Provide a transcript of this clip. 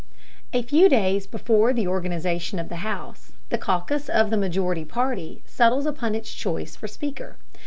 A few days before the organization of the House, the caucus of the majority party settles upon its choice for Speaker.